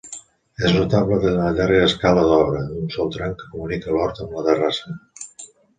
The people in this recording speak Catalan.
És notable la llarga escala d'obra, d'un sol tram que comunica l'hort amb la terrassa.